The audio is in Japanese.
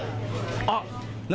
あっ、何？